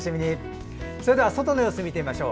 では外の様子を見てみましょう。